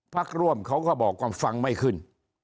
พักร่วมเขาก็บอกว่าฟังไม่ขึ้น